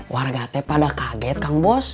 warga teh pada kaget kang bos